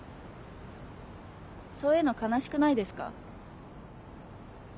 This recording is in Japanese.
そういうの悲しくないですか？